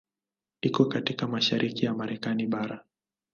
Iko katika mashariki ya Marekani bara.